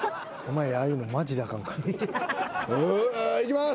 あいきます。